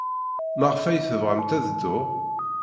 Maɣef ay tebɣamt ad dduɣ?